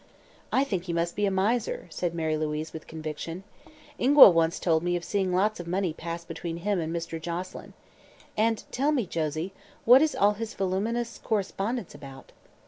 "I think he must be a miser," said Mary Louise with conviction. "Ingua once told me of seeing lots of money pass between him and Mr. Joselyn. And tell me, Josie what is all his voluminous correspondence about?"